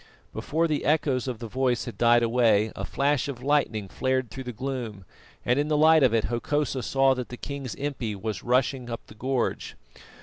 Before the echoes of the voice had died away, a flash of lightning flared through the gloom, and in the light of it Hokosa saw that the king's impi was rushing up the gorge.